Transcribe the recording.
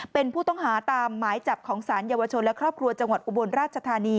เป็นผู้ต้องหาตามหมายจับของสารเยาวชนและครอบครัวจังหวัดอุบลราชธานี